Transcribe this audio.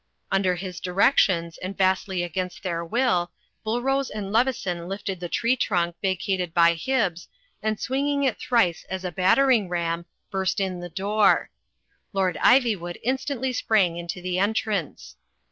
Under his directions, and vastly against their will, Bullrose and Leveson lifted the tree trunk vacated by Hibbs, and swinging it thrice as a battering ram, burst in the door. Lord Ivywood instantly sprang into the entrance.